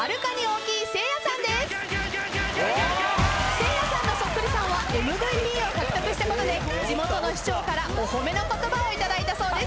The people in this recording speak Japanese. せいやさんのそっくりさんはＭＶＰを獲得したことで地元の市長からお褒めの言葉を頂いたそうです。